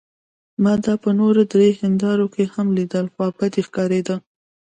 ما دا په نورو درې هندارو کې هم لیدل، خوابدې ښکارېده.